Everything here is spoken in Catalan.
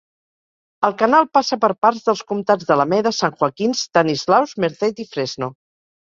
El canal passa per parts dels comtats d'Alameda, San Joaquin, Stanislaus, Merced i Fresno.